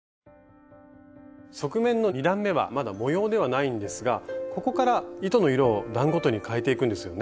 側面の２段めはまだ模様ではないんですがここから糸の色を段ごとにかえていくんですよね？